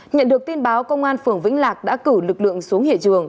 nhận được tin báo công an phường vĩnh lạc đã cử lực lượng xuống hiện trường